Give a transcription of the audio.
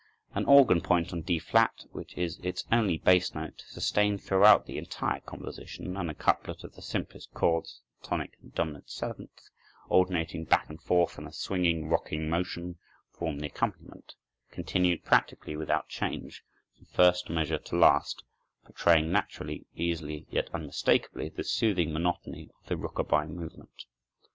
An organ point on D flat, which is its only bass note, sustained throughout the entire composition, and a couplet of the simplest chords, the tonic and dominant seventh, alternating back and forth in a swinging, rocking motion, form the accompaniment, continued practically without change, from first measure to last, portraying naturally, easily, yet unmistakably, the soothing monotony of the rockaby movement.